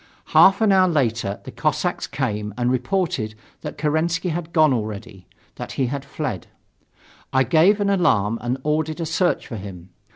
Half an hour later, the Cossacks came and reported that Kerensky had gone already that he had fled. I gave an alarm and ordered a search for him.